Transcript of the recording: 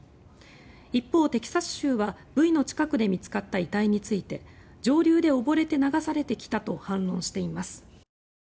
一方、テキサス州はブイの近くで見つかった遺体について上流で溺れて流されてきたと反論しています。